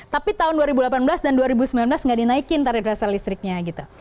tapi tahun dua ribu delapan belas dan dua ribu sembilan belas nggak dinaikin tarif dasar listriknya gitu